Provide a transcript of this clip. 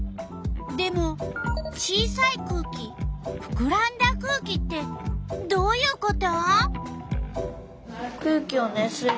でも「小さいくうき」「ふくらんだ空気」ってどういうこと？